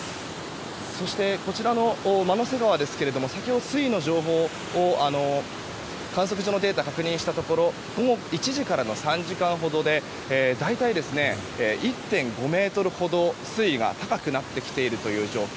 そして、こちらのまのせ川ですけども先ほど水位の情報を観測上のデータを確認したところ午後１時からの３時間ほどで大体１．５ｍほど水位が高くなってきている状況。